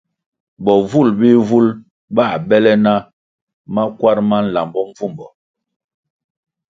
Bovul bihvul bā bèlè na makwar ma nlambo mbvumbo.